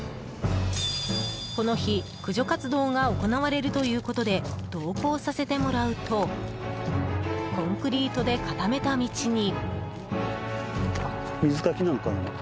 この日、駆除活動が行われるということで同行させてもらうとコンクリートで固めた道に。